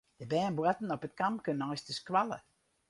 De bern boarten op it kampke neist de skoalle.